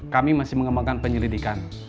kami masih mengembangkan penyelidikan